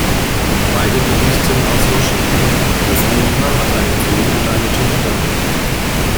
Beide berichten aus Washington, das Ehepaar hat einen Sohn und eine Tochter.